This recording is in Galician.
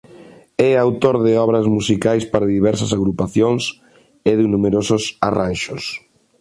É autor de obras musicais para diversas agrupacións e de numerosos arranxos.